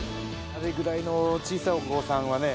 あれぐらいの小さいお子さんはね